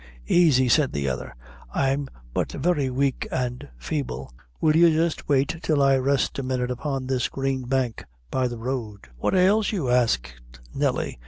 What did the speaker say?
"Aisey," said the other, "I'm but very weak an' feeble will you jist wait till I rest a minute upon this green bank by the road." "What ails you?" asked Nelly.